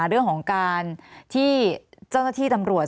เรื่องของการที่เจ้าหน้าที่ตำรวจ